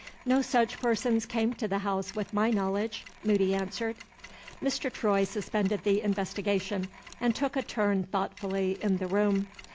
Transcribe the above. "No such persons came to the house with my knowledge," Moody answered. Mr. Troy suspended the investigation, and took a turn thoughtfully in the room.